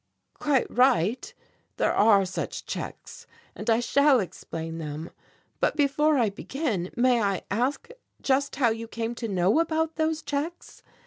"Quite right, there are such checks, and I shall explain them. But before I begin, may I ask just how you came to know about those checks?